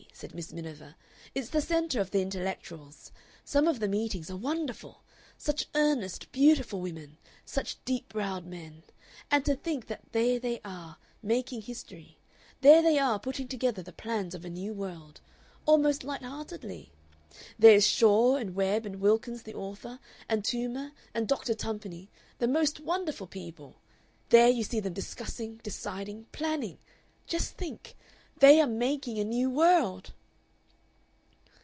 said Miss Miniver. "It's the centre of the intellectuals. Some of the meetings are wonderful! Such earnest, beautiful women! Such deep browed men!... And to think that there they are making history! There they are putting together the plans of a new world. Almost light heartedly. There is Shaw, and Webb, and Wilkins the author, and Toomer, and Doctor Tumpany the most wonderful people! There you see them discussing, deciding, planning! Just think THEY ARE MAKING A NEW WORLD!"